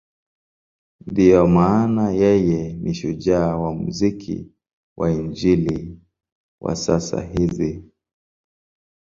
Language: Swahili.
Ndiyo maana yeye ni shujaa wa muziki wa Injili wa sasa hizi.